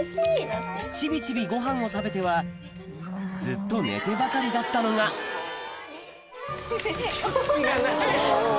ちびちびごはんを食べてはずっと寝てばかりだったのが落ち着きがない！